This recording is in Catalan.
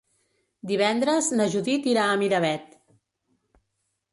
Divendres na Judit irà a Miravet.